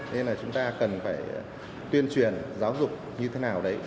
nên là chúng ta cần phải tuyên truyền giáo dục như thế nào đấy